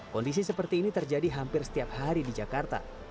kondisi seperti ini terjadi hampir setiap hari di jakarta